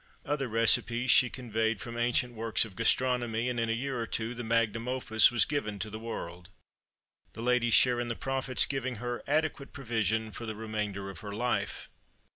Other recipes she "conveyed" from ancient works of gastronomy, and in a year or two the magnum opus was given to the world; the lady's share in the profits giving her "adequate provision for the remainder of her life."